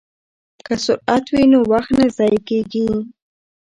که سرعت وي نو وخت نه ضایع کیږي.